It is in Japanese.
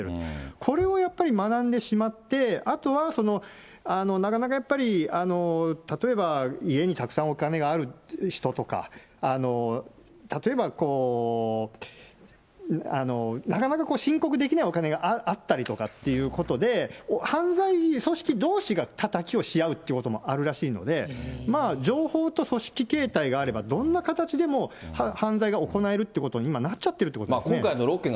これをやっぱり、学んでしまって、あとはなかなかやっぱり、例えば家にたくさんお金がある人とか、例えば、なかなか申告できないお金があったりとかっていうことで、犯罪組織どうしがタタキをし合うってこともあるらしいので、情報と組織形態があれば、どんな形でも、犯罪が行えるということに今、なっちゃってるということですね。